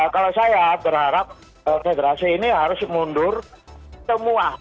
kalau saya berharap federasi ini harus mundur semua